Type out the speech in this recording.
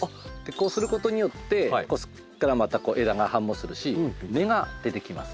こうすることによってそこからまた枝が繁茂するし根が出てきます。